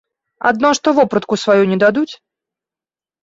Адно што вопратку сваю не дадуць.